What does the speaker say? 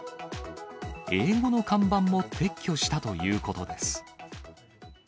英語の看板も撤去したということです。